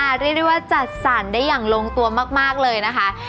เรียกได้ว่าจัดสรรได้อย่างลงตัวมากเลยนะคะ